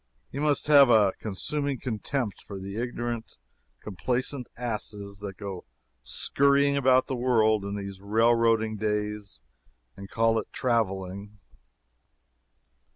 He must have a consuming contempt for the ignorant, complacent asses that go skurrying about the world in these railroading days and call it traveling.